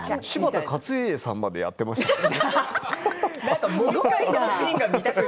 柴田勝家さんもやっていましたからね。